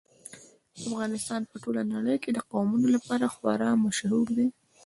افغانستان په ټوله نړۍ کې د قومونه لپاره خورا مشهور دی.